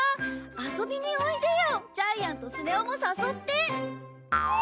遊びにおいでよジャイアンとスネ夫も誘って。